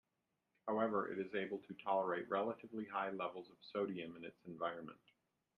However, it is able to tolerate relatively high levels of sodium in its environment.